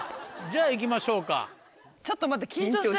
じゃあ行きましょうか。